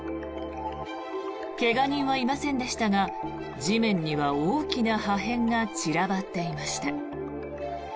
怪我人はいませんでしたが地面には大きな破片が散らばっていました。